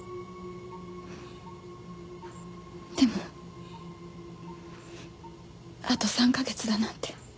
でもあと３カ月だなんて。